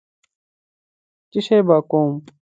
څشي به کوم.